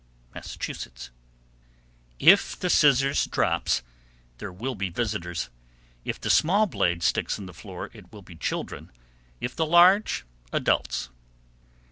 Massachusetts. 759. If the scissors drops there will be visitors; if the small blade sticks in the floor it will be children; if the large, adults.